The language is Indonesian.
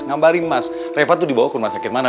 ngambarin mas reva tuh dibawa ke rumah sakit mana